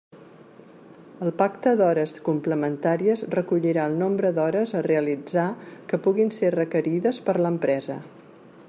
El pacte d'hores complementàries recollirà el nombre d'hores a realitzar que puguin ser requerides per l'empresa.